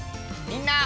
みんな！